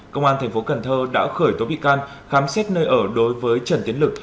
công an tp cần thơ đã khởi tố bị can khám xét nơi ở đối với trần tiến lực